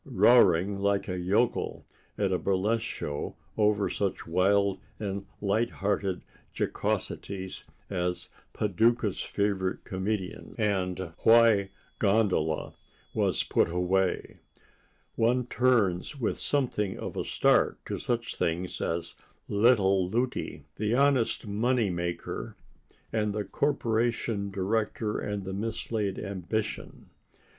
Roaring like a yokel at a burlesque show over such wild and light hearted jocosities as "Paducah's Favorite Comedians" and "Why 'Gondola' Was Put Away," one turns with something of a start to such things as "Little Lutie," "The Honest Money Maker" and "The Corporation Director and the Mislaid Ambition."